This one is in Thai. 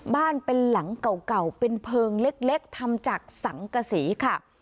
บ้านเป็นหลังเก่าเป็นเพลิงเล็กทำจากสังกษีค่ะ